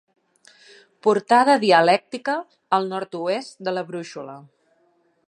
Portada dialèctica al nord-oest de la brúixola.